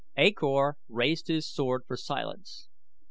A Kor raised his sword for silence.